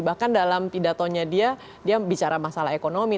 bahkan dalam pidatonya dia dia bicara masalah ekonomi